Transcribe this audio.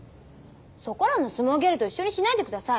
そこらの相撲ギャルと一緒にしないでください。